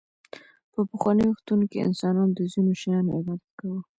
په پخوانیو وختونو کې انسانانو د ځینو شیانو عبادت کاوه